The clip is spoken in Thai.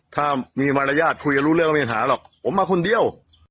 ถ้ามีมารยาทคุยรู้เรื่องตัวเนี่ยมาหาหรอกผมมาคนเดียว